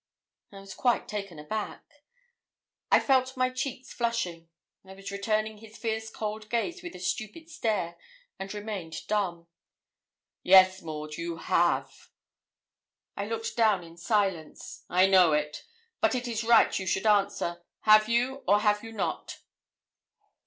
I was quite taken aback. I felt my cheeks flushing. I was returning his fierce cold gaze with a stupid stare, and remained dumb. 'Yes, Maud, you have.' I looked down in silence. 'I know it; but it is right you should answer; have you or have you not?'